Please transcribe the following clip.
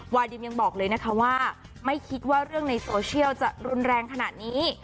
ดิมยังบอกเลยนะคะว่าไม่คิดว่าเรื่องในโซเชียลจะรุนแรงขนาดนี้